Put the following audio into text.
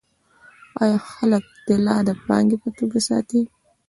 آیا خلک طلا د پانګې په توګه ساتي؟